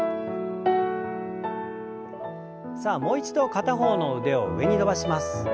さあもう一度片方の腕を上に伸ばします。